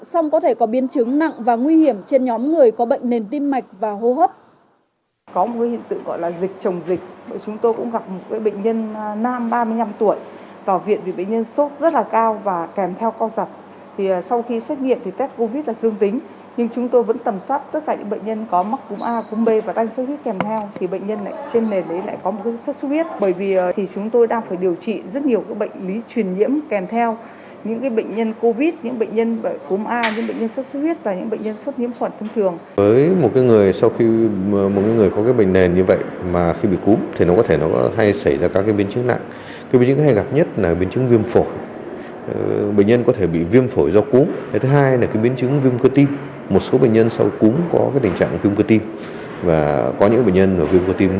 xong có thể có biến chứng nặng và nguy hiểm trên nhóm người có bệnh nền tim mạch và hô hấp